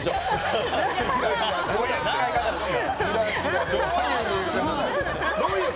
そういう使い方するな。